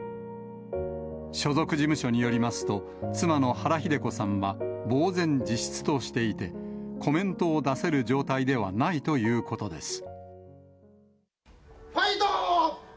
所属事務所によりますと、妻の原日出子さんは、ぼう然自失としていて、コメントを出せる状態ではないということです。